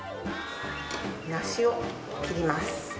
梨を切ります。